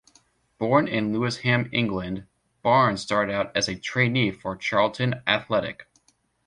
Born in Lewisham, England, Barness started out as a trainee for Charlton Athletic.